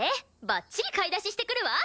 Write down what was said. バッチリ買い出ししてくるわ！